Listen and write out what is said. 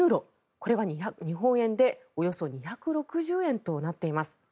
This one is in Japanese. これは日本円でおよそ２６０円となっています。